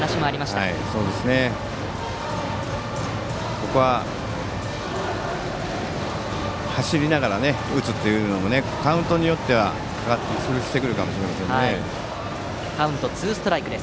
ここは走りながら打つというのもカウントによってはしてくるかもしれませんね。